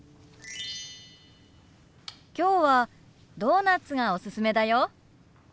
今日はドーナツがおすすめだよ。